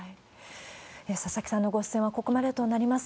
佐々木さんのご出演はここまでとなります。